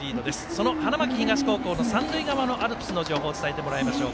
その花巻東高校の三塁側のアルプスの情報を伝えてもらいましょう。